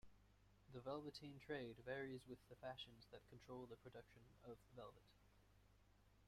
The velveteen trade varies with the fashions that control the production of velvet.